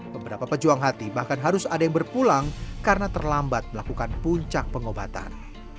beberapa pejuang hati bahkan harus ada yang berpulang karena terlambat melakukan puncak pengobatan